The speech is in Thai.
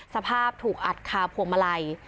สภาพถูกอัดคาพวงมาลัย